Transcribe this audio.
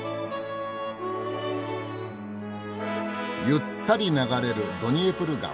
ゆったり流れるドニエプル川。